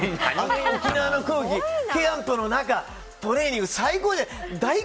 沖縄の空気キャンプの中、トレーニング最高じゃないですか。